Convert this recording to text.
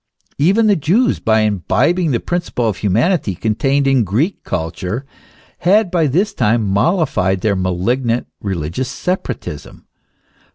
Even the Jews, by imbibing the principle of humanity con tained in Greek culture, had by this time mollified their malignant religious separatism.